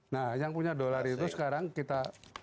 nah yang punya dolar itu sekarang kita